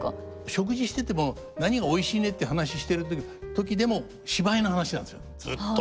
食事してても「何がおいしいね」って話してる時でも芝居の話なんですよずっと。